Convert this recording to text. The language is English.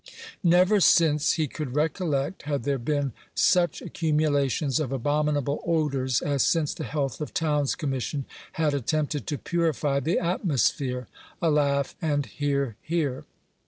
Never since he could recollect had there been such accumulations of abomi nable odours as since the Health of Towns Commission had at tempted to purify the atmosphere. (A laugh, and Hear, hear.)"